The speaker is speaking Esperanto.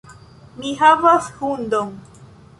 Mi havas hundon.